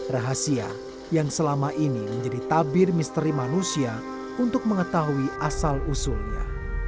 rahasia yang selama ini menjadi tabir misteri manusia untuk mengetahui asal usulnya